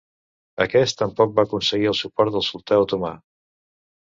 Aquest tampoc va aconseguir el suport del sultà otomà.